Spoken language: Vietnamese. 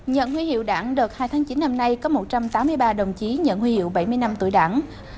nhận huy hiệu đảng đợt hai tháng chín năm nay có một trăm tám mươi ba đồng chí nhận huy hiệu bảy mươi năm tuổi đảng